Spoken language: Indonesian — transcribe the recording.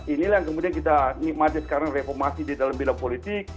inilah yang kemudian kita nikmati sekarang reformasi di dalam bidang politik